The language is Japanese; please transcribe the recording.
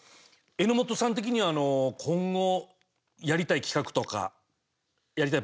榎本さん的には今後やりたい企画とかやりたい番組とかあるんですか？